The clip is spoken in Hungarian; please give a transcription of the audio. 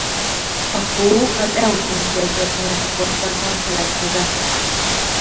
A tó az eocén földtörténeti korszakban keletkezett.